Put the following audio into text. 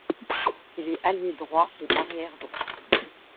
Il est ailier droit ou arrière droit.